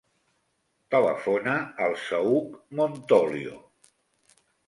Telefona al Saüc Montolio.